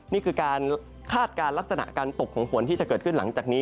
นี่คือการคาดการณ์ลักษณะการตกของฝนที่จะเกิดขึ้นหลังจากนี้